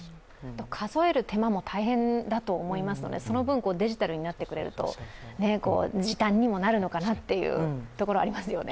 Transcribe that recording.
数える手間も大変だと思いますのでその分、デジタルになってくれると時短にもなるのかなというところはありますよね。